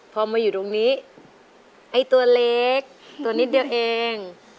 พอมาอยู่ตรงนี้ไอ้ตัวเล็กตัวนิดเดียวเอง